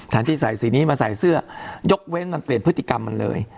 ที่ใส่สีนี้มาใส่เสื้อยกเว้นมันเปลี่ยนพฤติกรรมมันเลย